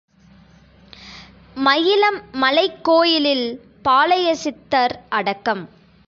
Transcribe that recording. மயிலம் மலைக் கோயிலில் பாலய சித்தர் அடக்கம்.